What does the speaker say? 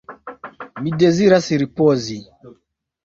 Mi deziras ripozi.